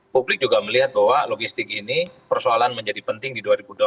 publik juga melihat bahwa logistik ini persoalan menjadi penting di dua ribu dua puluh